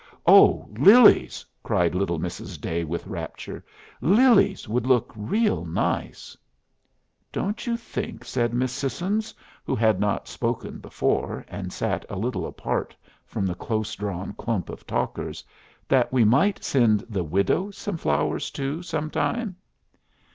"Oh, lilies!" cried little Mrs. Day, with rapture. "Lilies would look real nice." "Don't you think," said Miss Sissons, who had not spoken before, and sat a little apart from the close drawn clump of talkers, "that we might send the widow some flowers too, some time?"